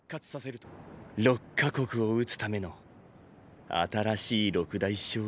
６か国を討つための新しい６代将軍か。